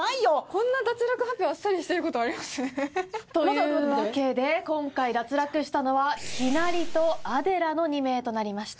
こんな脱落発表あっさりしてる事あります？というわけで今回脱落したのはヒナリとアデラの２名となりました。